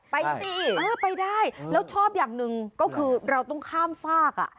ไปสิเออไปได้แล้วชอบอย่างหนึ่งก็คือเราต้องข้ามฝาก